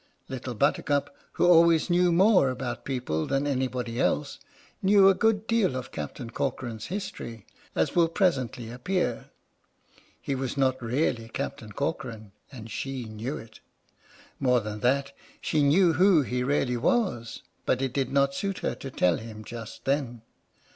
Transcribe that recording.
Little Buttercup, who always knew more about people than anybody else, knew a good deal 01 Captain Corcoran's history, as will presently appear. He was not really Captain Corcoran, and she knew it. More than that, she knew who he really was, but it did not suit her to tell him just then.